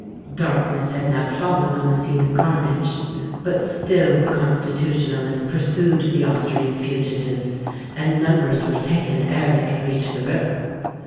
Darkness had now fallen on the scene of carnage; but still the Constitutionalists pursued the Austrian fugitives; and numbers were taken ere they could reach the river.